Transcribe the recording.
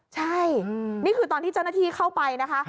ใช่นี่คือตอนที่เจ้าหน้าที่เข้าไปนะคะ